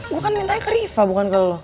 gue kan mintanya ke riva bukan ke lo